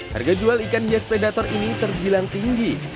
harga jual ikan hias predator ini terbilang tinggi